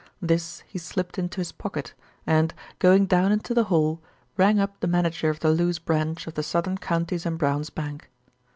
This he slipped into his pocket and, going down into the hall, rang up the manager of the Lewes branch of the Southern Counties and Brown's Bank.